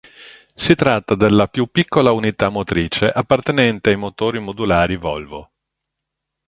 Si tratta della più piccola unità motrice appartenente ai motori modulari Volvo.